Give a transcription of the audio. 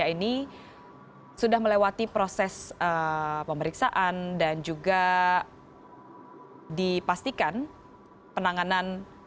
warga negara indonesia ini sudah melewati proses pemeriksaan dan juga dipastikan penanganan